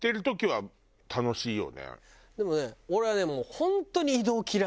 でもね俺はでも。